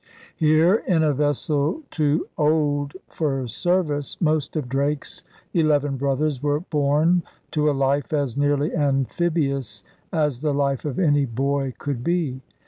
Here, in a vessel too old for service, most of Drake's eleven brothers were born to a life as nearly amphibious as the life of any boy could be.